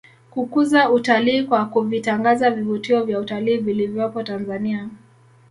Kukuza utalii kwa kuvitangaza vivutio vya utalii vilivyopo Tanzania